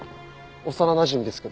幼なじみですけど。